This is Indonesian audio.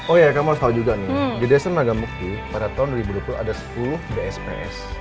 oh ya kamu harus tahu juga nih di desa nagamukti pada tahun dua ribu dua puluh ada sepuluh dsps